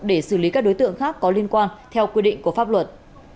để xử lý các đối tượng khác có liên quan theo quy định của pháp luật